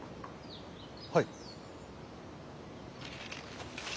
はい。